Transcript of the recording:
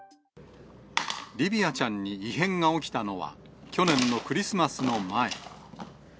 リヴィアちゃんに異変が起きたのは、去年のクリスマスの前。